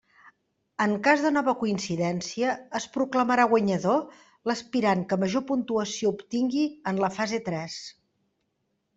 En cas de nova coincidència, es proclamarà guanyador l'aspirant que major puntuació obtingui en la fase tres.